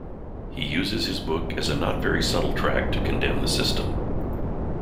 He uses his book as a not very subtle tract to condemn the system.